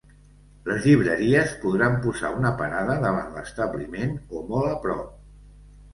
Les llibreries podran posar una parada davant l’establiment o molt a prop.